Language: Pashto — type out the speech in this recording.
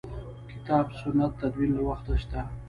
کتاب سنت تدوین له وخته شته.